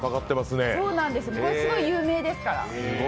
これ、すごい有名ですから。